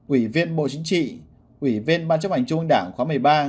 ủy viên bộ chính trị ủy viên ban chấp hành trung ương đảng khóa một mươi ba